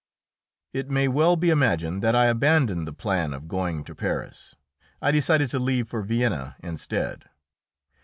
It may well be imagined that I abandoned the plan of going to Paris. I decided to leave for Vienna instead.